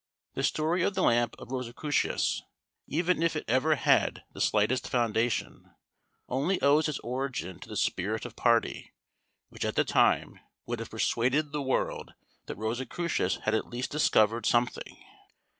The story of the lamp of Rosicrucius, even if it ever had the slightest foundation, only owes its origin to the spirit of party, which at the time would have persuaded the world that Rosicrucius had at least discovered something.